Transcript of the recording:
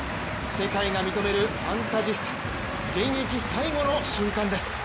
世界が認めるファンタジスタ現役最後の瞬間です。